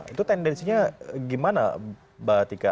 itu tendensinya gimana mbak tika